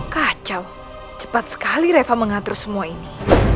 kacau cepat sekali reva mengatur semua ini